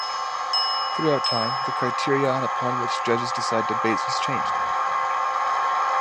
Throughout time, the criterion upon which judges decide debates has changed.